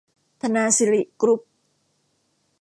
ธนาสิริ กรุ๊ป